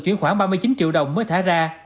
chuyển khoảng ba mươi chín triệu đồng mới thả ra